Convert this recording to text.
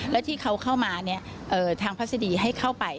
แล้วที่เขาเข้ามาทางพัศดีให้เข้าไป